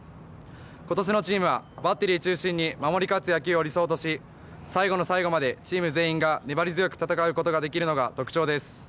ことしのチームはバッテリー中心に守り勝つ野球を理想とし、最後の最後までチーム全員が粘り強く戦うことができるのが特徴です。